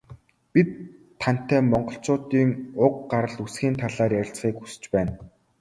Бид тантай Монголчуудын уг гарал үүслийн талаар ярилцахыг хүсэж байна.